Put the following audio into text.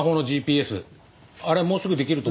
あれもうすぐできると。